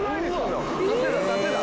縦だ縦だ。